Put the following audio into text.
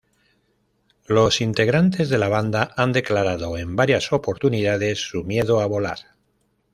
Los integrantes de la banda han declarado en varias oportunidades su miedo a volar.